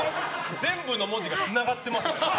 全部の文字がつながってますね。